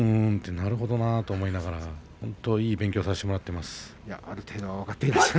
なるほどなと本当にいい勉強をさせてもらってます。